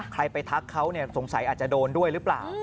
ใครไปทักเขาสงสัยอาจจะโดนด้วยหรือเปล่า